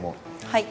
はい。